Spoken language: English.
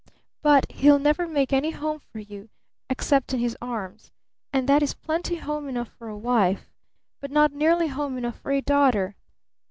'But he'll never make any home for you except in his arms; and that is plenty Home Enough for a wife but not nearly Home Enough for a daughter!